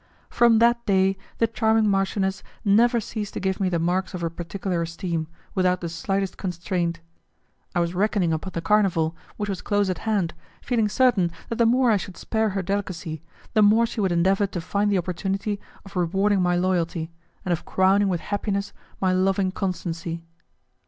From that day, the charming marchioness never ceased to give me the marks of her particular esteem, without the slightest constraint; I was reckoning upon the carnival, which was close at hand, feeling certain that the more I should spare her delicacy, the more she would endeavour to find the opportunity of rewarding my loyalty, and of crowning with happiness my loving constancy.